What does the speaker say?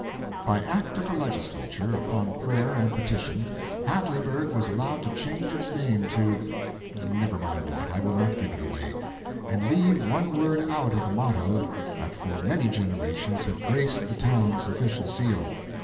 By act of the Legislature upon prayer and petition Hadleyburg was allowed to change its name to (never mind what I will not give it away), and leave one word out of the motto that for many generations had graced the town's official seal.